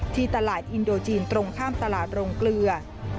ที่ตลาดอินโดจีนตรงข้ามตลาดโรงเกลือ